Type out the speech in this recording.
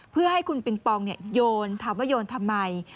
เพื่อให้คุณปิงปองโยนถามว่าโยนทำไม